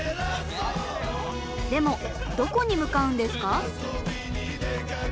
でもどこに向かうんですか？